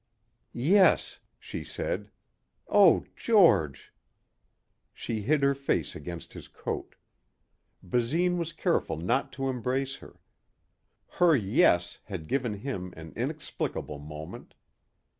"Yes," she said. "Oh George." She hid her face against his coat. Basine was careful not to embrace her. Her "yes" had given him an inexplicable moment.